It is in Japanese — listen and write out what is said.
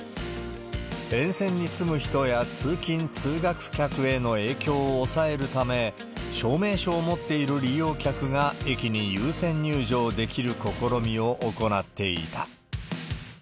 沿線に住む人や通勤・通学客への影響を抑えるため、証明書を持っている利用客が、駅に優先入場できる試みを行っていた。